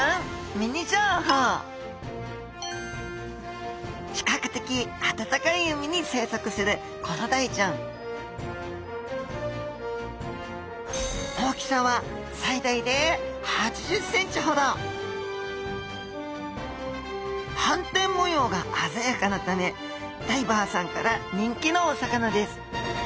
ミニ情報比較的温かい海に生息するコロダイちゃん大きさは斑点模様が鮮やかなためダイバーさんから人気のお魚です